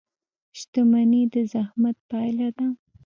• شتمني د زحمت پایله ده.